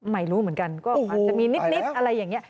ไม่รู้เหมือนกันก็มีนิดอะไรอย่างเงี้ย